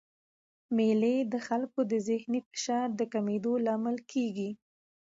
مېلې د خلکو د ذهني فشار د کمېدو لامل کېږي.